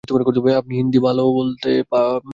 আপনি হিন্দি ভাল বলতে পারেন।